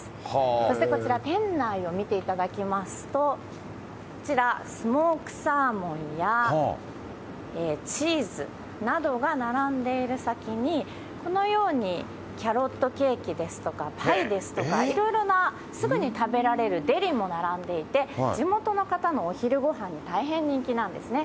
そしてこちら、店内を見ていただきますと、こちら、スモークサーモンや、チーズなどが並んでいる先に、このようにキャロットケーキですとか、パイですとか、いろいろなすぐに食べられるデリも並んでいて、地元の方のお昼ごはんに大変人気なんですね。